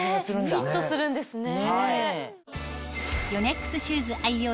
フィットするんですね。